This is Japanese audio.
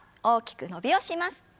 大きく伸びをします。